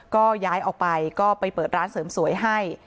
ก็ย้ายออกไปก็ไปเปิดร้านเสริมสวยให้